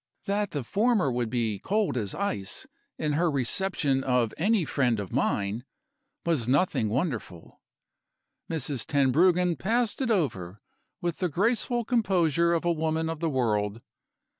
That the former would be cold as ice, in her reception of any friend of mine, was nothing wonderful. Mrs. Tenbruggen passed it over with the graceful composure of a woman of the world.